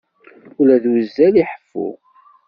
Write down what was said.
Ula d uzzal iḥeffu.